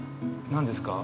何ですか？